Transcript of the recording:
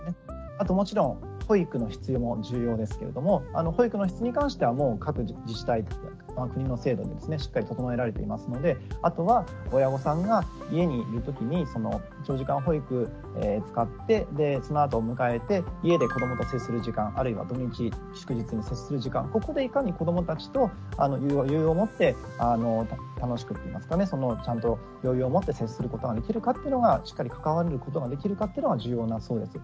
あともちろん保育の質も重要ですけれども保育の質に関してはもう各自治体国の制度ですねしっかり整えられていますのであとは親御さんが家にいるときに長時間保育使ってそのあと迎えて家で子どもと接する時間あるいは土日祝日に接する時間ここでいかに子どもたちと余裕を持って楽しくっていいますかねちゃんと余裕を持って接することができるかっていうのがしっかり関わることができるかっていうのが重要だそうです。